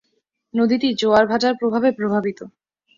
নদীটি জোয়ার ভাটার প্রভাবে প্রভাবিত।